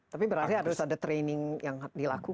tapi berarti harus ada training yang dilakukan